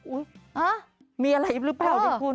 อุ๊ยมีอะไรหรือเปล่าเนี่ยคุณ